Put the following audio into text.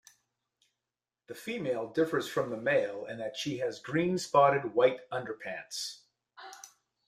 The female differs from the male in that she has green-spotted white underparts.